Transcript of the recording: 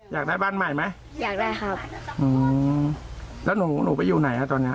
อยากได้บ้านใหม่ไหมอยากได้ครับอืมแล้วหนูหนูไปอยู่ไหนฮะตอนเนี้ย